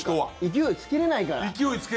勢いつけれないから。